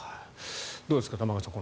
どうですか玉川さん。